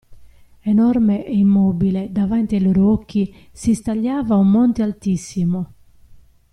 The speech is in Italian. Enorme e immobile davanti ai loro occhi si stagliava un monte altissimo.